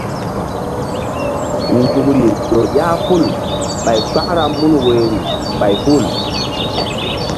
Nzukri ƴo ƴah ful ɓay kpakra mun woyri ɓay hul.